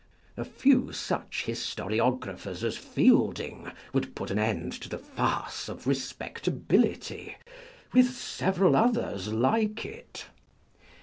A few such historiographers as Fielding would put an end to the farce of respectability with several others like it.